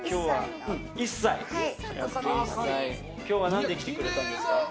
今日は何で来てくれたんですか？